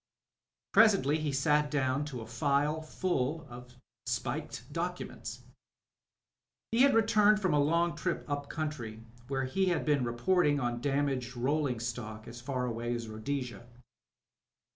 Presently he sat down to a file full of spiked documents. He had returned from a long trip up country, where he had been reporting on damaged rolling stock, as far away as Rhodesia.